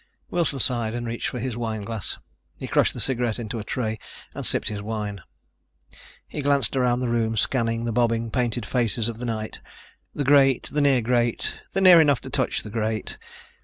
Wilson sighed and reached for his wine glass. He crushed the cigarette into a tray and sipped his wine. He glanced around the room, scanning the bobbing, painted faces of the night the great, the near great, the near enough to touch the great.